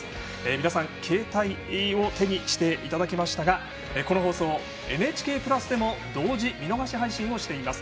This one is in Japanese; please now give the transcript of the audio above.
皆さん、携帯を手にしていただきましたがこの放送、「ＮＨＫプラス」でも同時・見逃し配信をしております。